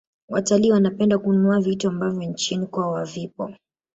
watalii wanapenda kununua vitu ambavyo nchini kwao havipo